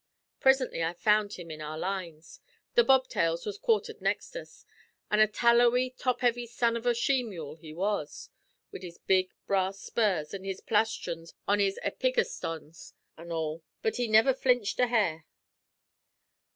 Presintly I found him in our lines the Bobtails was quartered next us an' a tallowy, top heavy son av a she mule he was, wid his big brass spurs an' his plastrons on his epigastons an' all. But he niver flinched a hair.